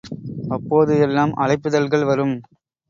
அப்போது எல்லாம் அழைப்பிதழ்கள் வரும்.